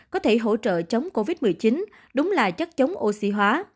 có thể hỗ trợ chống covid một mươi chín đúng là chắc chống oxy hóa